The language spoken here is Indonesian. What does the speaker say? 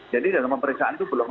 jadi dalam pemeriksaan itu belum